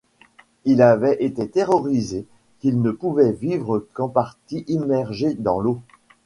Il avait été théorisé qu'ils ne pouvaient vivre qu'en partie immergés dans l'eau.